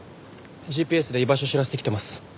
ＧＰＳで居場所知らせてきてます。